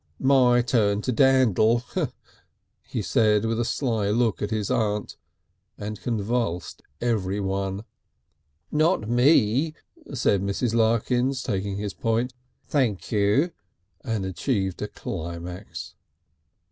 "My turn to dandle," he said, with a sly look at his aunt, and convulsed everyone. "Not me," said Mrs. Larkins, taking his point, "thank you," and achieved a climax.